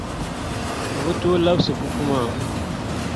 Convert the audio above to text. O be tooi labsi buku maa.